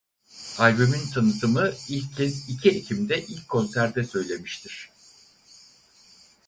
Albümün tanıtımı ilk kez iki Ekim'de ilk konserde söylemiştir.